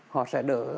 họ sẽ đỡ